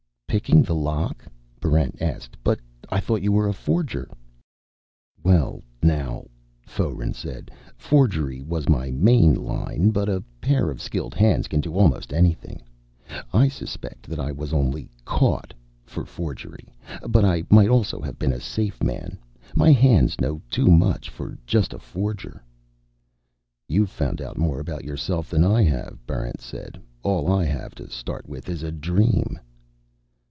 "Picking the lock?" Barrent asked. "But I thought you were a forger." "Well, now," Foeren said, "forgery was my main line. But a pair of skilled hands can do almost anything. I suspect that I was only caught for forgery; but I might also have been a safeman. My hands know too much for just a forger." "You've found out more about yourself than I have," Barrent said. "All I have to start with is a dream."